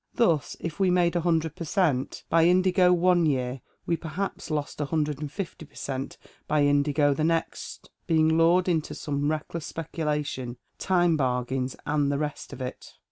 Thus if we made a hundred per cent, by indigo one year, we perhaps lost a hundred and fifty per cent, by indigo the next, being lured into some reckless speculation, time bargains, and the rest of it.